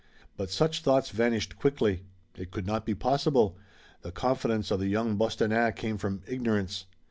But such thoughts vanished quickly. It could not be possible. The confidence of the young Bostonnais came from ignorance.